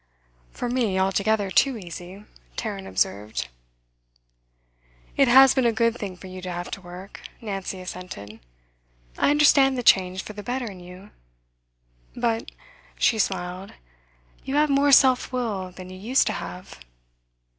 'For me altogether too easy,' Tarrant observed. 'It has been a good thing for you to have to work,' Nancy assented. 'I understand the change for the better in you. But' she smiled 'you have more self will than you used to have.